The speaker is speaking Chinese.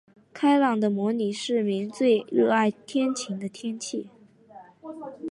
开朗的模拟市民最喜爱天晴的天气。